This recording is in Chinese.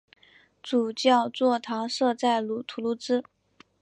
主教座堂设在图卢兹。